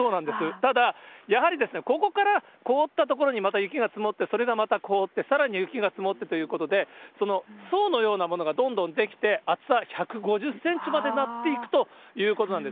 ただ、やはりですね、ここから凍ったところにまた雪が積もって、それがまた凍って、さらに雪が積もってということで、その層のようなものがどんどん出来て、厚さ１５０センチまでになっていくということなんです。